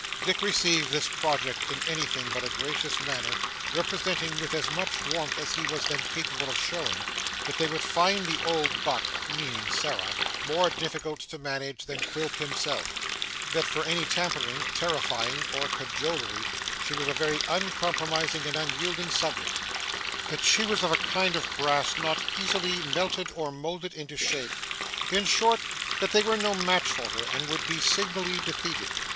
Dick received this project in anything but a gracious manner, representing with as much warmth as he was then capable of showing, that they would find the old buck (meaning Sarah) more difficult to manage than Quilp himself that, for any tampering, terrifying, or cajolery, she was a very unpromising and unyielding subject that she was of a kind of brass not easily melted or moulded into shape in short, that they were no match for her, and would be signally defeated.